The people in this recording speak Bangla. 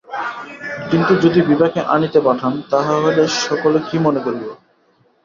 কিন্তু যদি বিভাকে আনিতে পাঠান, তাহা হইলে সকলে কি মনে করিবে।